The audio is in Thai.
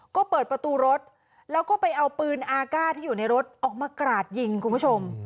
ก็เปิดประตูรถแล้วก็ไปเอาปืนอากาศที่อยู่ในรถออกมากราดยิงคุณผู้ชม